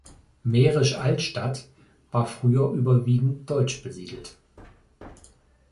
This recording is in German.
Mährisch Altstadt war früher überwiegend deutsch besiedelt.